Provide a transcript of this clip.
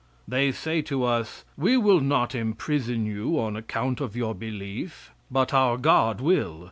They say to us: "We will not imprison you on account of your belief, but our God will.